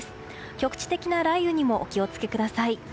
局地的な雷雨にもお気をつけください。